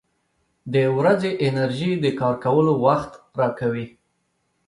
• د ورځې انرژي د کار کولو وخت راکوي.